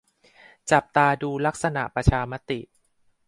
จับตาดูลักษณะประชามติ